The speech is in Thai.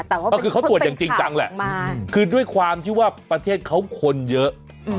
แต่ว่าก็คือเขาตรวจอย่างจริงจังแหละคือด้วยความที่ว่าประเทศเขาคนเยอะ